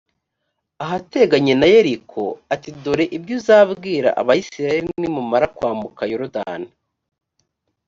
ahateganye na yeriko, ati dore ibyo uzabwira abayisrahelinimumara kwambuka yorudani